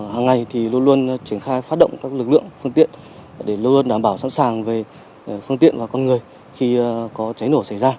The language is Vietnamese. hàng ngày thì luôn luôn triển khai phát động các lực lượng phương tiện để luôn luôn đảm bảo sẵn sàng về phương tiện và con người khi có cháy nổ xảy ra